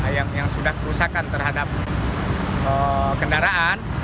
yang sudah kerusakan terhadap kendaraan